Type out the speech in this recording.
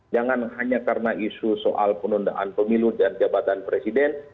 jangan hanya karena isu soal penundaan pemilu dan jabatan presiden